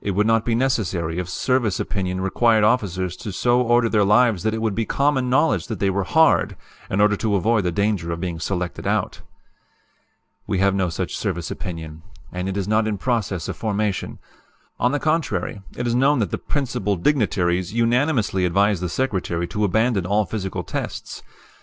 "It would not be necessary if service opinion required officers so to order their lives that it would be common knowledge that they were 'hard,' in order to avoid the danger of being selected out. "We have no such service opinion, and it is not in process of formation. On the contrary, it is known that the 'Principal Dignitaries' unanimously advised the Secretary to abandon all physical tests.